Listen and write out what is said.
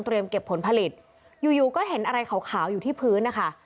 เก็บผลผลิตอยู่อยู่ก็เห็นอะไรขาวอยู่ที่พื้นนะคะ